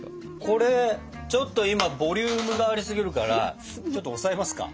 これちょっと今ボリュームがありすぎるからちょっと押さえますか？